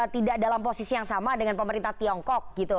tidak dalam posisi yang sama dengan pemerintah tiongkok gitu